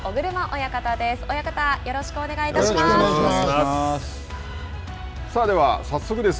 親方、よろしくお願いいたします。